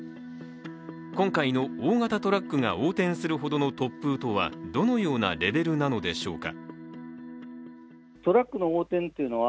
今回の大型トラックが横転するほどの突風とはどのようなレベルなのでしょうか？